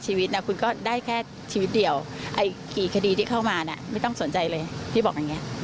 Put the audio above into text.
ให้กำลังใจอะไรเขาบ้างครับแอม